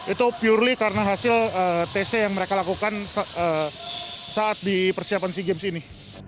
itu purely karena hasil tc yang mereka lakukan saat di persiapan sea games ini